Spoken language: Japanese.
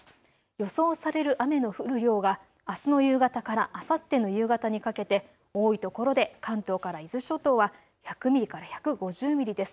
予想される雨の降る量はあすの夕方からあさっての夕方にかけて多いところで関東から伊豆諸島は１００ミリから１５０ミリです。